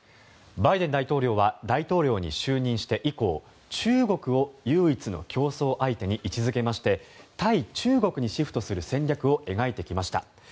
バイデン大統領は大統領に就任して以降中国を唯一の競争相手に位置付けまして対中国にシフトする戦略を描いてきました。